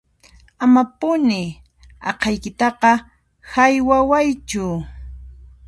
Amapuni aqhaykitaqa haywawaychu